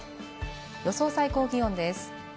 予想最高気温です。